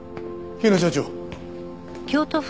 日野所長。